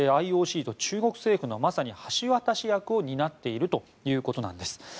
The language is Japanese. ＩＯＣと中国政府のまさに橋渡し役を担っているということです。